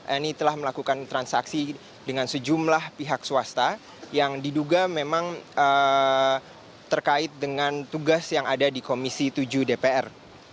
eni telah melakukan transaksi dengan sejumlah pihak swasta yang diduga memang terkait dengan tugas yang ada di komisi tujuh dpr